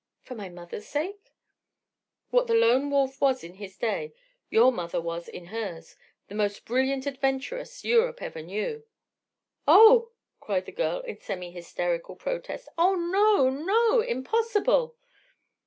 "For my mother's sake—?" "What the Lone Wolf was in his day, your mother was in hers—the most brilliant adventuress Europe ever knew." "Oh!" cried the girl in semi hysterical protest. "Oh, no, no! Impossible!"